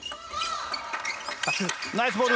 ナイスボール。